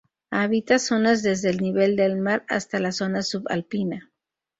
Habita zonas desde el nivel del mar hasta la zona sub-alpina.